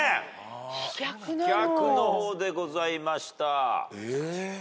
飛脚の方でございました。